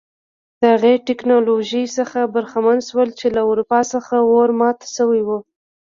د هغې ټکنالوژۍ څخه برخمن شول چې له اروپا څخه ور ماته شوې وه.